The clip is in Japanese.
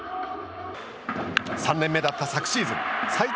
３年目だった昨シーズン最多